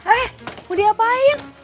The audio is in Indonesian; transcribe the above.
eh mau diapain